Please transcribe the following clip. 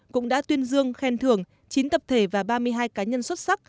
cũng đã tuyên dương khen thưởng chín tập thể và ba mươi hai cá nhân xuất sắc